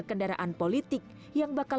kendaraan politik yang bakal